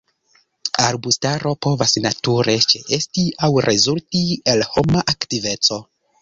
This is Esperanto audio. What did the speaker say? Arbustaro povas nature ĉeesti aŭ rezulti el homa aktiveco.